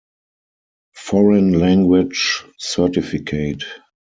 Foreign Language Certificate.